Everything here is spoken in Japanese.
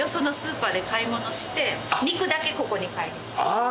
ああ！